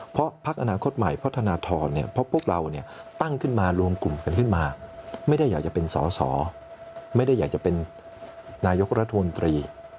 เพราะพักอนาคตใหม่เพราะธนทรเนี่ยเพราะพวกเราตั้งขึ้นมารวมกลุ่มกันขึ้นมาไม่ได้อยากจะเป็นสอสอไม่ได้อยากจะเป็นนายกรัฐมนตรี